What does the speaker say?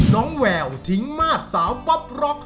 น้องแววทิ้งมาดสาวบ๊อบร็อค